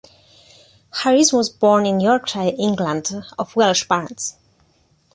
Harris was born in Yorkshire, England, of Welsh parents.